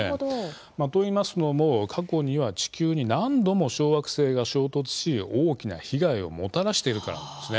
といいますのも過去には地球に何度も小惑星が衝突し大きな被害をもたらしているからなんですね。